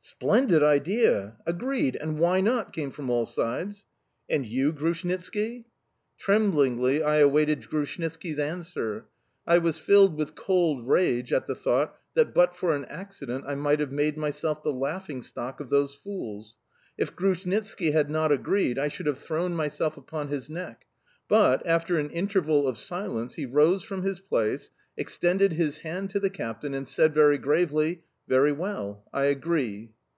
"Splendid idea!... Agreed!... And why not?"... came from all sides. "And you, Grushnitski?" Tremblingly I awaited Grushnitski's answer. I was filled with cold rage at the thought that, but for an accident, I might have made myself the laughing stock of those fools. If Grushnitski had not agreed, I should have thrown myself upon his neck; but, after an interval of silence, he rose from his place, extended his hand to the captain, and said very gravely: "Very well, I agree!"